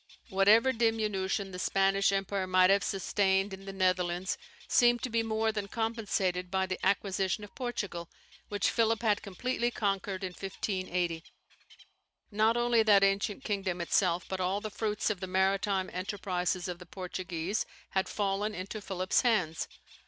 Whatever diminution the Spanish empire might have sustained in the Netherlands, seemed to be more than compensated by the acquisition of Portugal, which Philip had completely conquered in 1580. Not only that ancient kingdom itself, but all the fruits of the maritime enterprises of the Portuguese had fallen into Philip's hands.